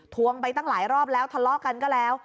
วงไปตั้งหลายรอบแล้วทะเลาะกันก็แล้ว